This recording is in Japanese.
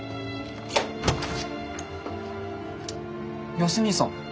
康兄さん。